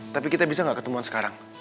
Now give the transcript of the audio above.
tapi kita bisa gak ketemuan sekarang